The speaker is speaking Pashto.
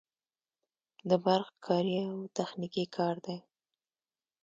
د برق کاري یو تخنیکي کار دی